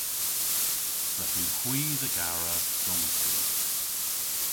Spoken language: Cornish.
Drefen hwi dhe gara donsya.